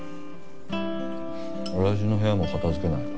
おやじの部屋も片付けないと。